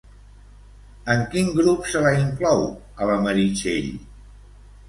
En quin grup se la inclou, a la Meritxell?